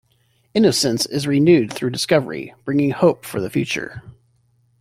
Innocence is renewed through discovery, bringing hope for the future.